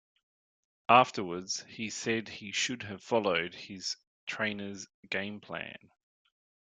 Afterwards he said he should have followed his trainer's game plan.